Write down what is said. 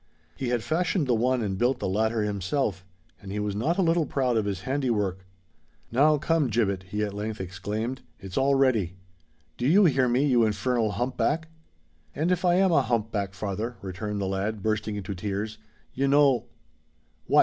He had fashioned the one and built the latter himself; and he was not a little proud of his handiwork. "Now, come, Gibbet," he at length exclaimed; "it's all ready. Do you hear me, you infernal hump back?" "And if I am a hump back, father," returned the lad, bursting into tears, "you know——" "What?"